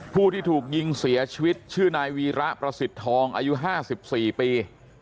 ผู้ที่ถูกยิงเสียชีวิตชื่อนายวีระประสิทธิ์ทองอายุ๕๔ปี